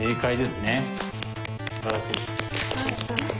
すばらしい。